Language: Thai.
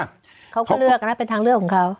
เขาก็เลือกนะเป็นทางเลือกของเขา